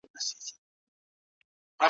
ایا لوی صادروونکي ممیز پروسس کوي؟